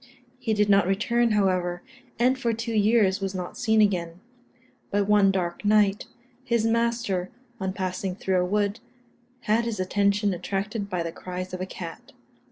He did not return, however, and for two years was not seen again; but one dark night, his master, on passing through a wood, had his attention attracted by the cries of a cat.